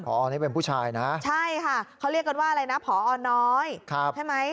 พอนี่เป็นผู้ชายนะใช่ค่ะเขาเรียกกันว่าอะไรนะพอน้อยใช่ไหม